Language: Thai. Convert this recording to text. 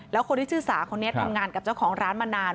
แล้วคนที่ชื่อสาคนนี้ทำงานกับเจ้าของร้านมานาน